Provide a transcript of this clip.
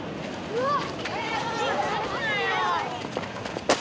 うわっ！